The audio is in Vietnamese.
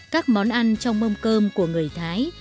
các món ăn trong mâm cơm của người thái